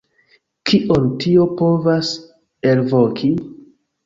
Kion tio povas elvoki?